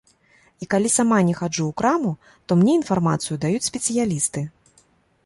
І калі сама не хаджу ў краму, то мне інфармацыю даюць спецыялісты.